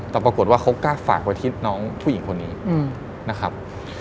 แต่ปรากฏว่าเขากล้าฝากไว้ที่น้องผู้หญิงคนนี้นะครับ